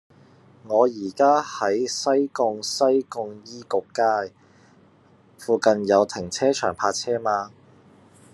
我依家喺西貢西貢醫局街，附近有停車場泊車嗎